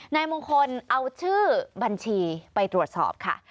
นายมงคลเอาชื่อบัญชีไปตรวจสอบค่ะ